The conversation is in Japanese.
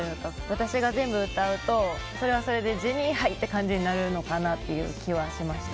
私が全部歌うとそれはそれでジェニーハイって感じになるのかなって気はしました。